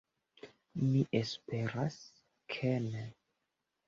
Mi esperas, ke ne.